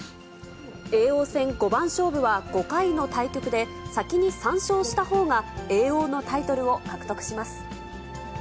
叡王戦五番勝負は５回の対局で、先に３勝したほうが叡王のタイトルを獲得します。